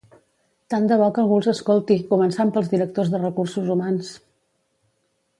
Tant de bo que algú els escolti, començant pels directors de recursos humans!